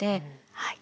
はい。